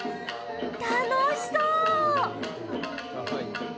楽しそう！